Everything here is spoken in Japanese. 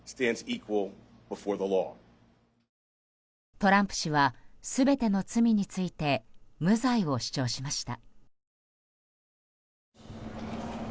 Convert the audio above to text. トランプ氏は全ての罪について無罪を主張しました。